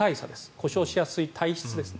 故障しやすい体質です。